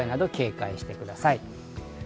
警戒してください。